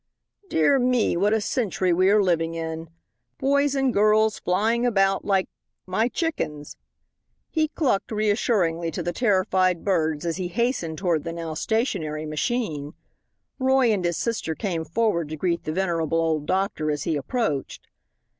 Dear me, what a century we are living in! Boys and girls flying about like like my chickens!" He "clucked" reassuringly to the terrified birds as he hastened toward the now stationary machine. Roy and his sister came forward to greet the venerable old doctor as he approached.